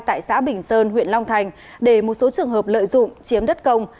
tại xã bình sơn huyện long thành để một số trường hợp lợi dụng chiếm đất công